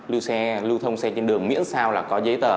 lưu thông xe trên đường miễn sao là có giấy tờ